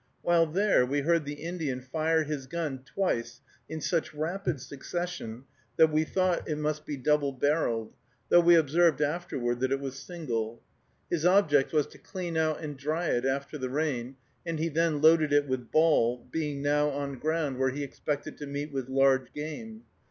While there we heard the Indian fire his gun twice in such rapid succession that we thought it must be double barreled, though we observed afterward that it was single. His object was to clean out and dry it after the rain, and he then loaded it with ball, being now on ground where he expected to meet with large game.